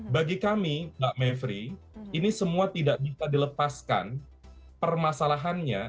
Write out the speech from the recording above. bagi kami mbak mevri ini semua tidak bisa dilepaskan permasalahannya